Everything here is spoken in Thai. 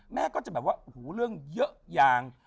แม่ก็จะแบบว่าหูเรื่องเยอะยาง